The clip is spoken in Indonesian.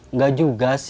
nggak juga sih